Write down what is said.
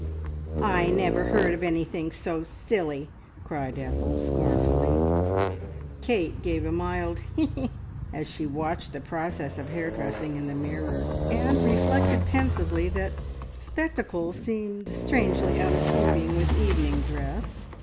'" "I never heard anything so silly!" cried Ethel scornfully. Kate gave a mild "He, he!" as she watched the process of hair dressing in the mirror, and reflected pensively that spectacles seemed strangely out of keeping with evening dress.